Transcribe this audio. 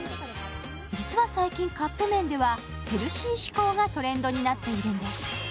実は最近、カップ麺ではヘルシー志向がトレンドになっているんです。